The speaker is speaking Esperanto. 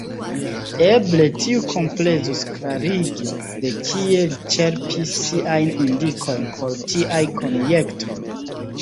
Eble tiu komplezus klarigi, de kie li ĉerpis siajn indikojn por tiaj konjektoj.